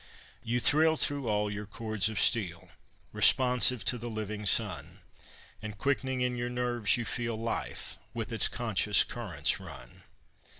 You thrill through all your chords of steel Responsive to the living sun; And quickening in your nerves you feel Life with its conscious currents run.